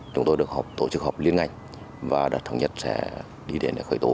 chúng tôi được tổ chức họp liên ngạch và đã thống nhất sẽ đi đến khởi tổ